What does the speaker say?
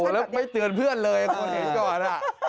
โอ้โฮแล้วไม่เตือนเพื่อนเลยหนีก่อน